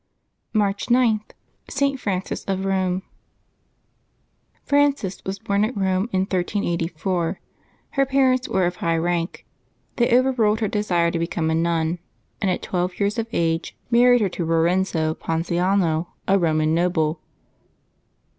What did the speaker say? March g.— ST. FRANCES OF ROME. E RANGES was born at Eome in 1384. Her parents were of high rank. They overruled her desire to become a nun, and at twelve years of age married her to Rorenzo Ponziano, a Roman noble.